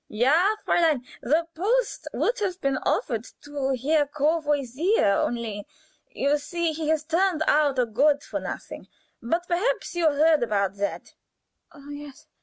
"Ja, Fräulein, the post would have been offered to Herr Courvoisier, only, you see, he has turned out a good for nothing. But perhaps you heard about that?"